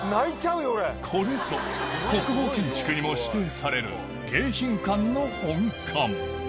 これぞ国宝建築にも指定される迎賓館の本館